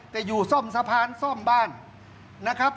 แต่อยู่ซ่อมสะพานซ่อมบ้านนะครับ